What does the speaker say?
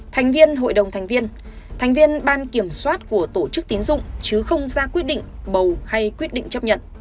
thành viên hội đồng thành viên thành viên ban kiểm soát của tổ chức tín dụng chứ không ra quyết định bầu hay quyết định chấp nhận